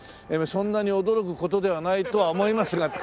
「そんなに驚く事ではないとは思いますが」って。